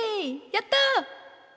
やった！